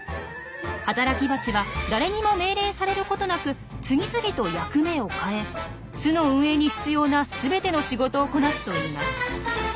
働きバチは誰にも命令されることなく次々と役目を変え巣の運営に必要な全ての仕事をこなすといいます。